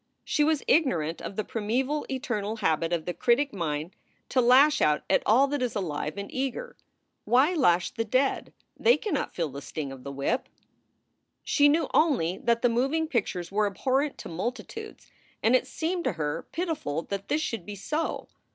She was ignorant of the primeval eternal habit of the critic mind to lash out at all that is alive and eager. Why lash the dead? They cannot feel the sting of the whip. She knew only that the moving pictures were abhorrent to multitudes and it seemed to her pitiful that this should be so.